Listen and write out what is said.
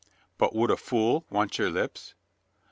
"But would a fool want your lips?"